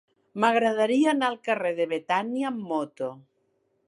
M'agradaria anar al carrer de Betània amb moto.